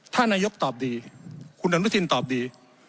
ท่านนายยกตอบดีคุณดนตินตอบดี